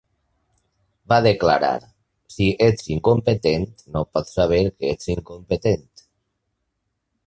Va declarar: "Si ets incompetent, no pots saber que ets incompetent...